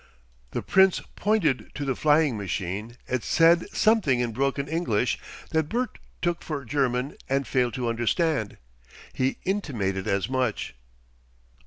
The Prince pointed to the flying machine and said something in broken English that Bert took for German and failed to understand. He intimated as much.